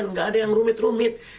nggak ada yang rumit rumit